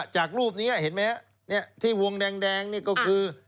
จากรูปนี้เห็นไหมฮะที่วงแดงนี่ก็คือ